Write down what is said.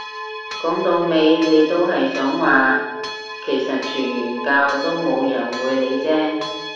講到尾你都係想話其實傳完教都冇人會理啫